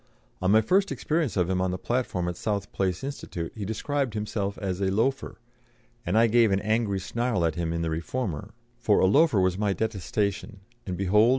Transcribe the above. On my first experience of him on the platform at South Place Institute he described himself as a "loafer," and I gave an angry snarl at him in the Reformer, for a loafer was my detestation, and behold!